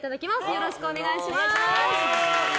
よろしくお願いします。